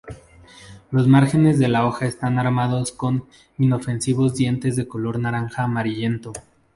Los márgenes de la hoja están armados con inofensivos dientes de color naranja amarillento.